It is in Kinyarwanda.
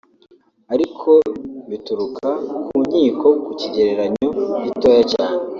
ariko bituruka ku nkiko ku kigereranyo gitoya cyane